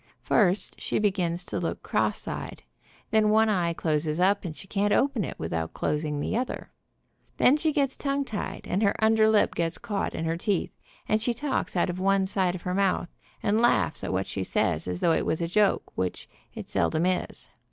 First she begins to look cross eyed, then one eye closes up and she can't open it without closing the other one. Then she gets tongue tied, and her underlip gets caught in her teeth, and she talks out of one side of her mouth, and laughs at what she says as though it was a joke, which it seldom is.